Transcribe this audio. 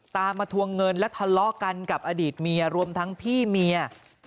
ตามมาทวงเงินและทะเลาะกันกับอดีตเมียรวมทั้งพี่เมีย